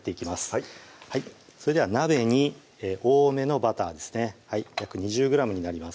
はいそれでは鍋に多めのバターですね約２０ｇになります